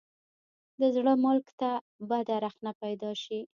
د زړه ملک ته بده رخنه پیدا شي.